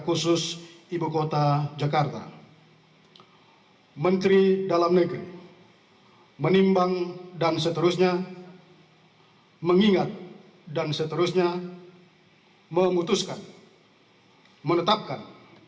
keputusan menteri dalam negeri menimbang dan seterusnya mengingat dan seterusnya memutuskan menetapkan